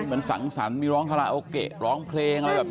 เหมือนสังสรรค์มีร้องคาราโอเกะร้องเพลงอะไรแบบนี้